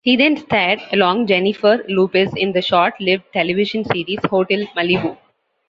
He then starred along Jennifer Lopez in the short-lived television series, "Hotel Malibu".